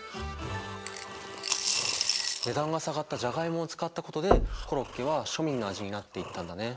値段が下がったじゃがいもを使ったことでコロッケは庶民の味になっていったんだね。